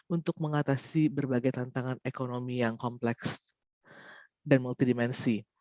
untuk mengatasi berbagai tantangan ekonomi yang kompleks dan multidimensi